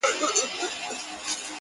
د ژوند يې يو قدم سو- شپه خوره سوه خدايه-